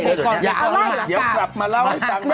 เดี๋ยวกลับมาเล่าให้ฟัง